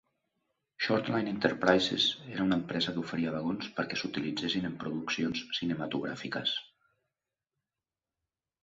Short Line Enterprises era una empresa que oferia vagons perquè s'utilitzessin en produccions cinematogràfiques.